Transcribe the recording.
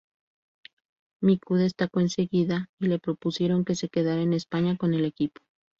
Miku destacó enseguida y le propusieron que se quedara en España con el equipo.